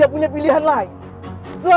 aku akan menangkanmu